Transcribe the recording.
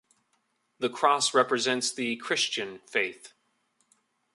The cross represents the Christian faith.